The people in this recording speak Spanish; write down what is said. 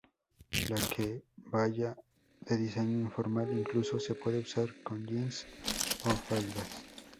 La kebaya de diseño informal incluso se puede usar con jeans o faldas.